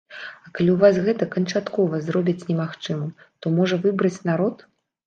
А калі ў вас гэта канчаткова зробяць немагчымым, то можа выбраць народ?